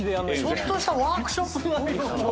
ちょっとしたワークショップ並み。